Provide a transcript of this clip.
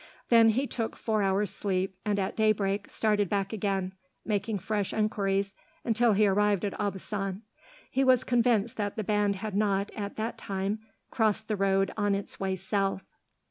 Then he took four hours' sleep, and at daybreak started back again, making fresh enquiries till he arrived at Aubusson. He was convinced that the band had not, at that time, crossed the road on its way south.